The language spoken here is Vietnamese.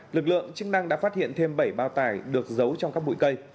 lực lượng chức năng đã phát hiện thêm bảy bao tải được giấu trong các bụi cây